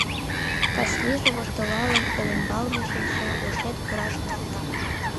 Васлиже, воштылалын, олымбалне шинча, «ушет пура» шоналта.